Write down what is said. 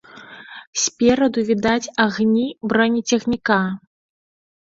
Спераду відаць агні бронецягніка.